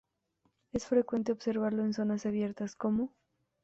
Es frecuente observarlo en zonas abiertas como